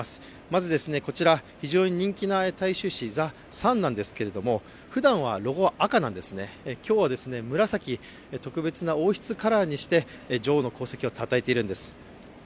まず、こちら、非常に人気の大衆紙、「ＴｈｅＳｕｎ」なんですがふだんはロゴは赤なんですが今日は紫の特別なカラーにして女王の功績をたたえているんです。